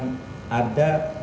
ada pengundangan undang undang